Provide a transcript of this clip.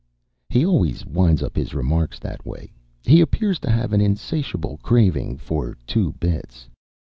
He always winds up his remarks that way. He appears to have an insatiable craving for two bits.